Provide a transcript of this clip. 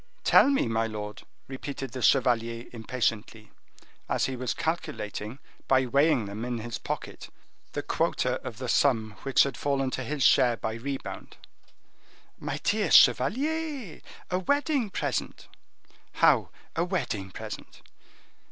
"Tell me, my lord," repeated the chevalier impatiently, as he was calculating, by weighing them in his pocket, the quota of the sum which had fallen to his share by rebound. "My dear chevalier, a wedding present." "How a wedding present?"